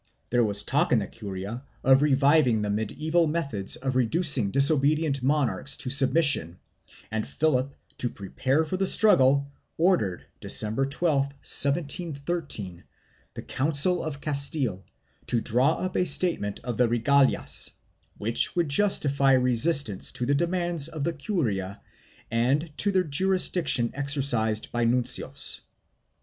There was talk in the curia of reviving the medieval methods of reducing disobedient monarchs to submission and Philip, to prepare for the struggle, ordered, December 12, 1713, the Council of Castile to draw up a statement of the regalias which would justify resistance to the demands of the curia and to the juris diction exercised by nuncios.